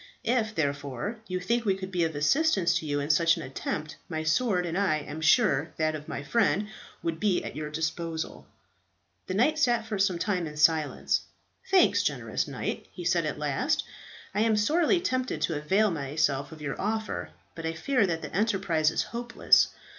If, therefore, you think we could be of assistance to you in such an attempt, my sword, and I am sure that of my friend, would be at your disposal." The knight sat for some time in silence. "Thanks, generous knight," he said at last, "I am sorely tempted to avail myself of your offer; but I fear that the enterprise is hopeless.